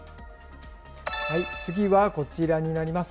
次はこちらになります。